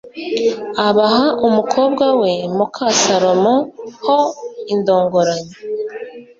abaha umukobwa we muka salomo ho indongoranyo